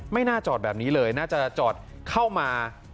ไม่น่าจอดแบบนี้เลยน่าจะจอดเข้ามา